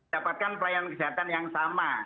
dapatkan pelayanan kesehatan yang sama